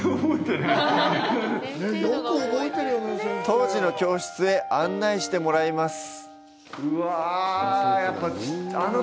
当時の教室へ案内してもらいます。